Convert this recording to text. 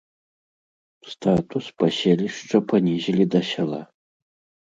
Статус паселішча панізілі да сяла.